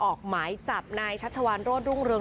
ออกหมายจับนายชัชวานโรธรุ่งเรือง